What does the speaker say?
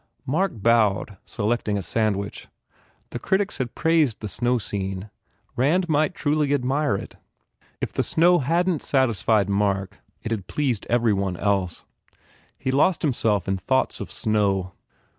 Mark bowed, selecting a sandwich. The critics had praised the snow scene. Rand might truly admire it. If the snow hadn t satisfied Mark it had pleased every one else. He lost himself in thoughts of snow.